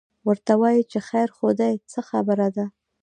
ورته وایي چې خیر خو دی، څه خبره ده؟